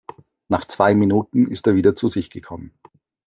Nach zwei Minuten ist er wieder zu sich gekommen.